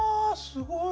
すごい。